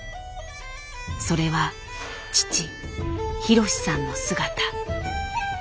それは父博さんの姿。